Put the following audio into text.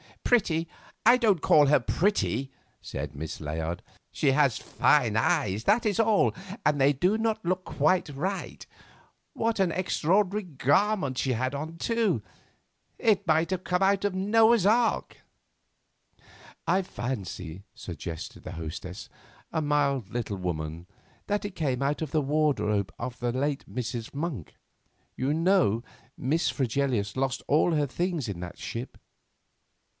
"Pretty! I don't call her pretty," said Miss Layard; "she has fine eyes, that is all, and they do not look quite right. What an extraordinary garment she had on, too; it might have come out of Noah's Ark." "I fancy," suggested the hostess, a mild little woman, "that it came out of the wardrobe of the late Mrs. Monk. You know, Miss Fregelius lost all her things in that ship."